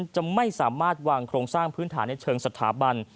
จะไม่สามารถวางโครงสร้างพื้นฐานในเชิงสถาบัน